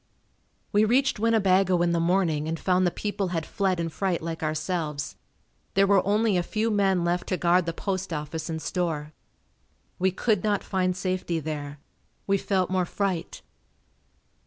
We reached Winnebago in the morning and found the people had fled in fright like ourselves. There were only a few men left to guard the post office and store. We could not find safety there. We felt more fright.